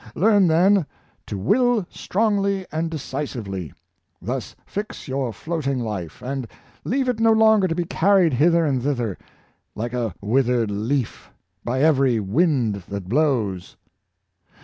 Learn, then, to will strongly and decisively; thus fix 276 Fonvell Buxton, your floating life, and leave it no longer to be carried hither and thither, like a withered leaf, by every wind that blows."